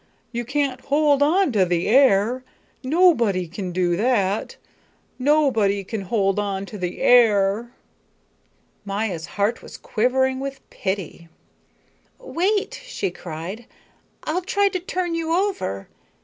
You can't hold on to the air. Nobody can do that. Nobody can hold on to the air." Maya's heart was quivering with pity. "Wait," she cried, "I'll try to turn you over.